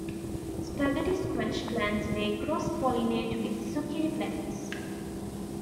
Spaghetti squash plants may cross-pollinate with zucchini plants.